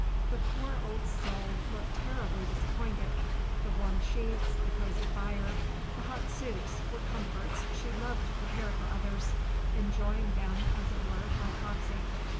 The poor old soul looked terribly disappointed; the warm sheets, the cosy fire, the hot soup were comforts she loved to prepare for others, enjoying them, as it were, by proxy.